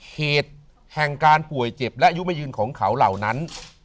เหตุแห่งการป่วยเจ็บและอายุไม่ยืนของเขาเหล่านั้น